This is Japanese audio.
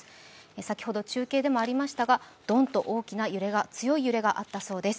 先ほど中継でもありましたがドンと強い揺れがあったそうです。